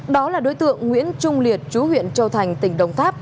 đó là đối tượng nguyễn trung liệt chú huyện châu thành tỉnh đồng tháp